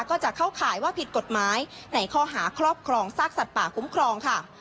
ก็จะเข้าข่ายว่าผิดกฎหมายในข้อหาครอบครองซากสัตว์ป่าคุ้มครองค่ะ